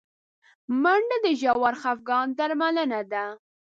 منډه د ژور خفګان درملنه ده